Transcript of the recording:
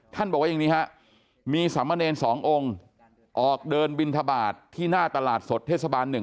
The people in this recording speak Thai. บอกว่าอย่างนี้ฮะมีสามเณรสององค์ออกเดินบินทบาทที่หน้าตลาดสดเทศบาล๑